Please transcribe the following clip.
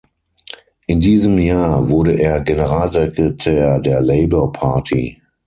In diesem Jahr wurde er Generalsekretär der Labour Party.